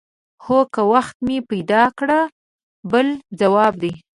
هو که وخت مې پیدا کړ بل ځواب دی.